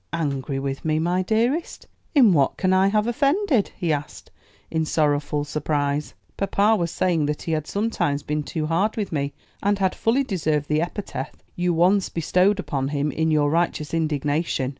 "Angry with me, my dearest? In what can I have offended?" he asked in sorrowful surprise. "Papa was saying that he had sometimes been too hard with me, and had fully deserved the epithet you once bestowed upon him in your righteous indignation.